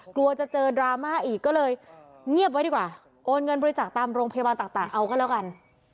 กลัวจะเจอดราม่าอีกก็เลยเงียบไว้ดีกว่าโอนเงินบริจาคตามโรงพยาบาลต่างเอาก็แล้วกัน